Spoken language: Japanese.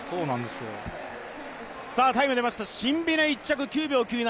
タイムでました、シンビネ１着９秒９７。